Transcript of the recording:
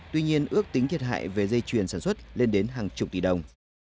tuy nhiên ước tính thiệt hại về dây chuyền sản xuất lên đến hàng chục tỷ đồng